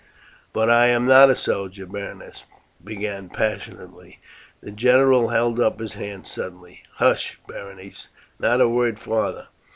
"But I am not a soldier " Berenice began passionately. The general held up his hand suddenly. "Hush, Berenice, not a word farther!